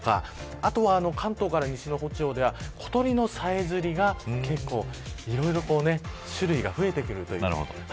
あとは、関東から西の地方では小鳥のさえずりが種類が増えてくるというところです。